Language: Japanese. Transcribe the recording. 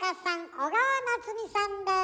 小川菜摘さんです。